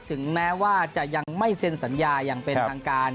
ถึงแม้ว่าจะยังไม่เซ็นสัญญาอย่างเป็นทางการ